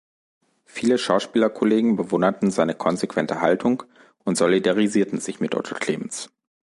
Viele Schauspielerkollegen bewunderten seine konsequente Haltung und solidarisierten sich mit Otto Clemens.